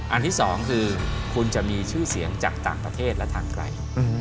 อันที่สองคือคุณจะมีชื่อเสียงจากต่างประเทศและทางไกล